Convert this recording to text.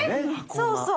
そうそう。